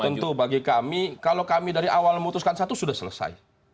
tentu bagi kami kalau kami dari awal memutuskan satu sudah selesai